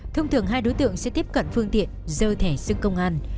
thông thường hai đối tượng sẽ tiếp cận phương tiện dơ thẻ sư công an